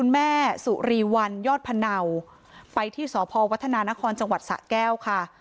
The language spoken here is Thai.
แม่สุรีวันยอดพะเนาไปที่สพวัฒนานครจังหวัดสะแก้วค่ะ